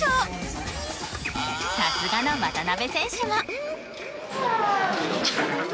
さすがの渡辺選手も。